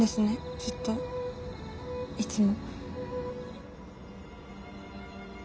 ずっといつも。